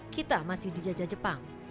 kita masih dijajah jepang